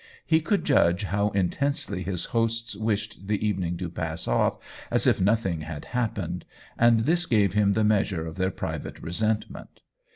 He could judge how intensely his hosts wished the evening to pass off as if nothing had happened ; and this gave him the measure of their private resentment.